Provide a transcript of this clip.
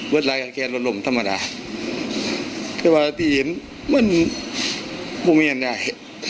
เวลากาแคลดลดลมธรรมดาแต่ว่าอาตรีมมันบุคเมียนได้